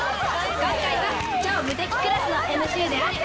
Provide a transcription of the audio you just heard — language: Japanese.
今回は『超無敵クラス』の ＭＣ である